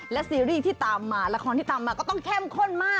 และซีรีส์ที่ตามมาละครที่ตามมาก็ต้องเข้มข้นมาก